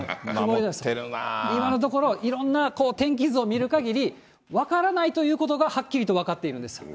今のところ、いろんな天気図を見るかぎり、分からないというところがはっきりと分かっているんです。